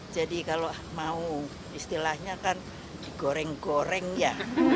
jadi kalau mau istilahnya kan digoreng goreng ya